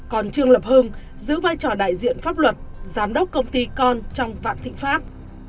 còn trương lập hương giữ vai trò đại diện pháp luật giám đốc công ty con trong vạn thịnh pháp